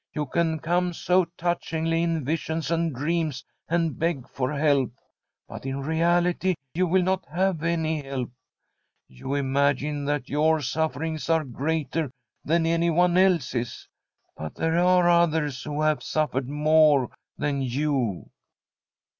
You can con\^ no touchinp^ly in visions and dreams and iM^g for help, but m reality you will not havt any ht^lp^ You imagine that your suffering!! nrt* |Jr1^att*r than am one else's, but there arc i^tht^r* who have suffered more than you.'